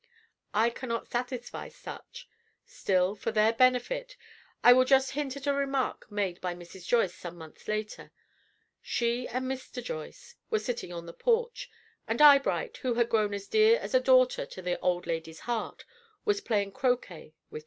I cannot satisfy such; still, for their benefit, I will just hint at a remark made by Mrs. Joyce some months later. She and Mr. Joyce were sitting on the porch, and Eyebright, who had grown as dear as a daughter to the old lady's heart, was playing croquet with Charley.